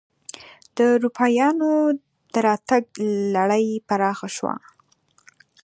د اروپایانو دراتګ لړۍ پراخه شوه.